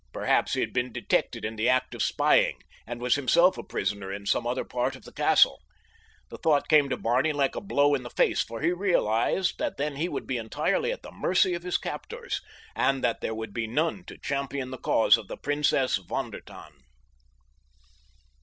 Perhaps he had been detected in the act of spying, and was himself a prisoner in some other part of the castle! The thought came to Barney like a blow in the face, for he realized that then he would be entirely at the mercy of his captors, and that there would be none to champion the cause of the Princess von der Tann.